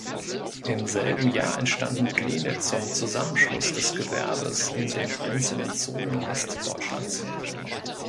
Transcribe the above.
Im selben Jahr entstanden Pläne zum Zusammenschluss des Gewerbes in den einzelnen Zonen Westdeutschlands.